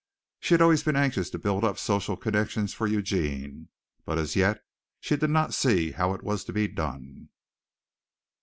She had always been anxious to build up solid social connections for Eugene, but as yet she did not see how it was to be done.